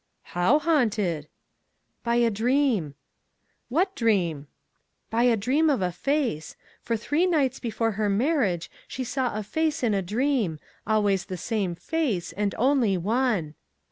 'How haunted?' 'By a dream.' 'What dream?' 'By a dream of a face. For three nights before her marriage, she saw a face in a dream—always the same face, and only One.